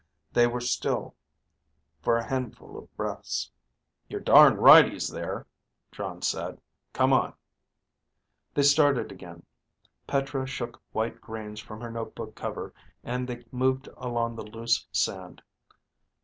They were still for a handful of breaths. "You're darn right he's there," Jon said. "Come on." They started again. Petra shook white grains from her notebook cover and they moved along the loose sand.